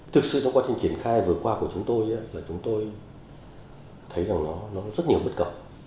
thực sự trong quá trình triển khai vừa qua của chúng tôi là chúng tôi thấy rằng nó rất nhiều bất cập